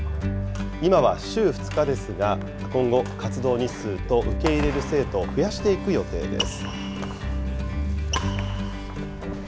今は週２日ですが、今後、活動日数と受け入れる生徒を増やしていく予定です。